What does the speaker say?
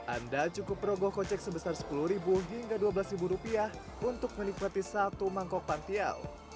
anda cukup rogoh kocek sebesar sepuluh hingga dua belas rupiah untuk menikmati satu mangkok pantial